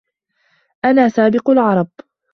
أَنَا سَابِقُ الْعَرَبِ